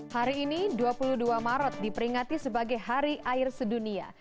hari ini dua puluh dua maret diperingati sebagai hari air sedunia